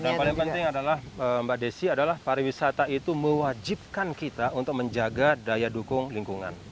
dan yang paling penting adalah mbak desy adalah pariwisata itu mewajibkan kita untuk menjaga daya dukung lingkungan